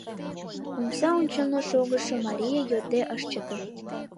Омса ончылно шогышо Мария йодде ыш чыте: